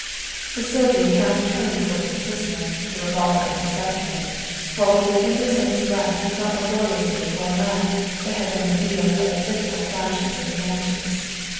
The Servian half turned toward his prisoner, the revolver in his left hand, while with the fingers of his right he felt laboriously for a lamp that had been revealed by the fitful flashes of the matches.